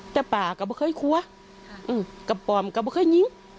แต่ป่าก็ไม่เคยกลัวกับปอมก็ไม่เคยยิง